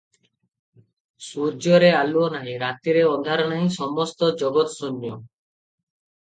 ସୂର୍ଯ୍ୟରେ ଆଲୁଅ ନାହିଁ, ରାତିରେ ଅନ୍ଧାର ନାହିଁ, ସମସ୍ତ ଜଗତ୍ଶୂନ୍ୟ!